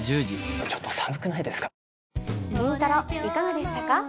『イントロ』いかがでしたか？